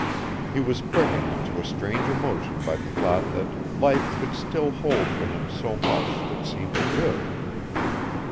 He was quickened to a strange emotion by the thought that life could still hold for him so much that seemed good.